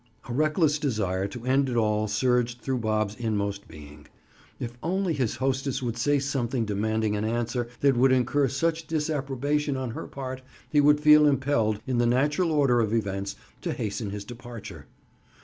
A reckless desire to end it all surged through Bob's inmost being. If only his hostess would say something demanding an answer that would incur such disapprobation on her part, he would feel impelled, in the natural order of events, to hasten his departure.